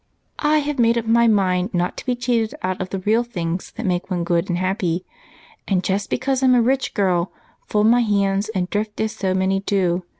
"I have made up my mind not to be cheated out of the real things that make one good and happy and, just because I'm a rich girl, fold my hands and drift as so many do.